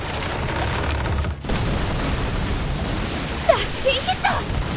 ラッキーヒット！